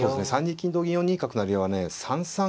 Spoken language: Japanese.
３二金同銀４二角成はね